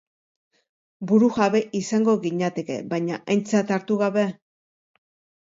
Burujabe izango ginateke, baina aintzat hartu gabe?